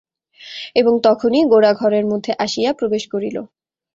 এবং তখনই গোরা ঘরের মধ্যে আসিয়া প্রবেশ করিল।